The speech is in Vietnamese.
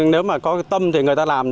nếu mà có tâm thì người ta làm